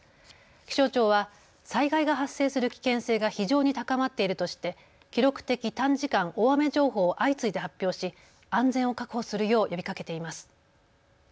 気象庁は災害が発生する危険性が非常に高まっているとして記録的短時間大雨情報を相次いで発表し安全を確保するよう呼びかけています。